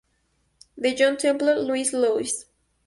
De Johnnie Temple, "Louise, Louise", de St.